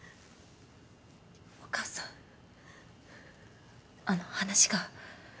お母さんあの話が。